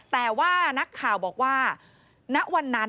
แต่ว่านักข่าวบอกว่าณวันนั้น